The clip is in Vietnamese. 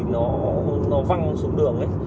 nó văng xuống đường